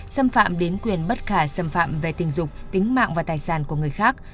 xâm phạm đến quyền bất khả xâm phạm về tình dục tính mạng và tài sản của người khác